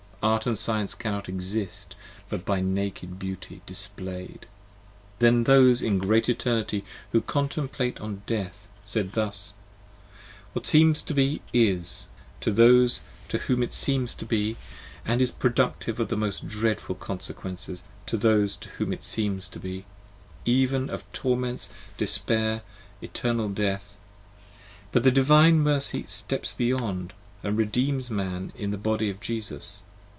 Art & Science cannot exist but by Naked Beauty display 'd. Then those in Great Eternity who contemplate on Death 50 Said thus, What seems to Be; Is; To those to whom It seems to Be, & is productive of the most dreadful Consequences to those to whom it seems to Be ; even of Torments, Despair, Eternal Death; but the Divine Mercy Steps beyond and Redeems Man in the Body of Jesus.